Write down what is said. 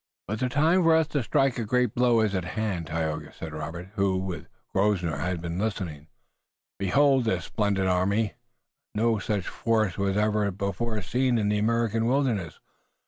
"But the time for us to strike a great blow is at hand, Tayoga," said Robert, who, with Grosvenor had been listening. "Behold this splendid army! No such force was ever before sent into the American wilderness.